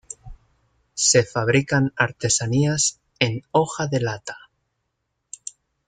Se fabrican artesanías en hoja de lata.